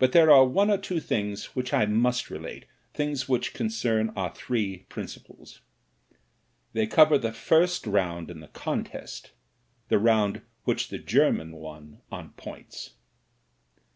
But there are one or two things which I must relate — things which concern our three princi pals. They cover the first round in the contest — ^the round which the German won on points.